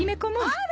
あら。